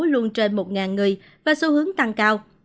luôn trên một người và xu hướng tăng cao